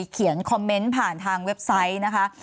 เขียนคอมเมนต์ผ่านทางเว็บไซต์นะคะ